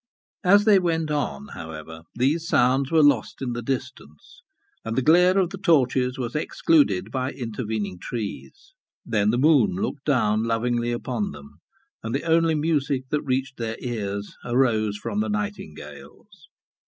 As they went on, however, these sounds were lost in the distance, and the glare of the torches was excluded by intervening trees. Then the moon looked down lovingly upon them, and the only music that reached their ears arose from the nightingales.